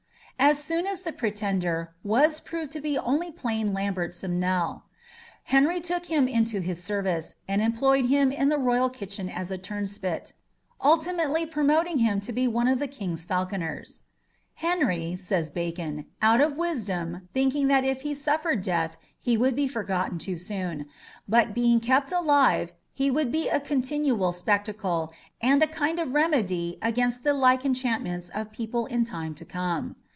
As soon as the pretender was proved to be only plain Lambert Simnel, Henry took him into his service, and employed him in the royal kitchen as a turnspit; ultimately promoting him to be one of the King's falconers, "Henry," says Bacon, "out of wisdom, thinking that if he suffered death he would be forgotten too soon; but being kept alive he would be a continual spectacle, and a kind of remedy against the like enchantments of people in time to come."